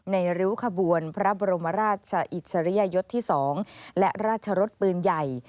ในริ้วขบวนพระบรมราชชะอิจชะระยะยดที่๒และราชรศปืนใหญ่